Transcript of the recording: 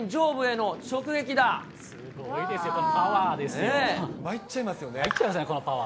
すごいですよ、このパワー。